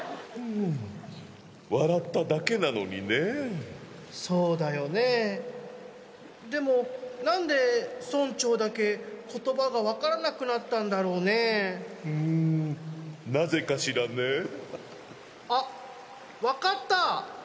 笑っただけなのにねそうだよねでも何で村長だけ言葉が分からなくなったんだろうねうーんなぜかしらねあっ分かった！